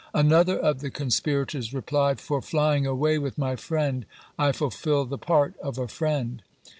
Another of the conspirators replied, "For flying away with my friend I fulfilled the part of a friend."